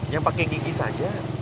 yang pake gigi saja